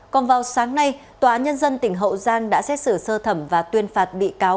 còn vào sáng nay tòa nhân dân tỉnh hậu giang đã xét xử sơ thẩm và tuyên phạt bị cáo